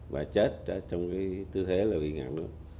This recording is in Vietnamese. và chết trong cái tư thế là bị ngạn nước